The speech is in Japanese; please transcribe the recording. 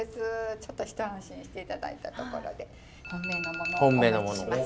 ちょっと一安心して頂いたところで本命のものをお持ちします。